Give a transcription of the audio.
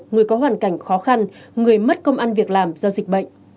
người có hoàn cảnh khó khăn người mất công ăn việc làm do dịch bệnh